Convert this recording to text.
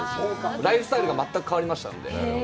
ライフスタイルが全く変わりましたので。